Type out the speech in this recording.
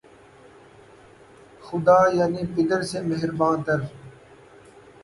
خدا‘ یعنی پدر سے مہرباں تر